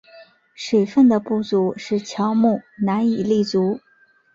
水分的不足使乔木难以立足。